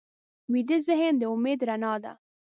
ویده ذهن د امید رڼا ده